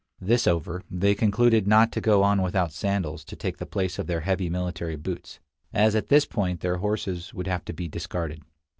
This over, they concluded not to go on without sandals to take the place of their heavy military boots, as at this point their horses would have to be discarded.